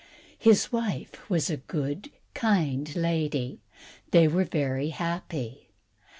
His wife was a good, kind lady, and they were very happy.